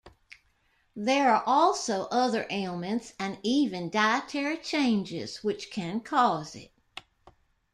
There are also other ailments and even dietary changes which can cause it.